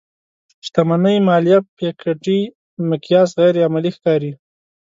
شتمنۍ ماليه پيکيټي مقیاس غیر عملي ښکاري.